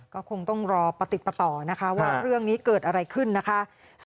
ก็คงต้องรอประติดประต่อนะคะว่าเรื่องนี้เกิดอะไรขึ้นนะคะ